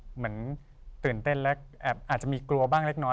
เหมือนตื่นเต้นและแอบอาจจะมีกลัวบ้างเล็กน้อย